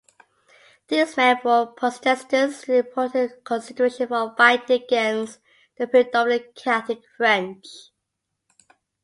These men were Protestants, an important consideration for fighting against the predominantly Catholic French.